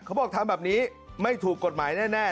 เขาบอกทำแบบนี้ไม่ถูกกฎหมายแน่